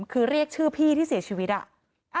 คือเรียกชื่อพี่ที่เสียชีวิตอะ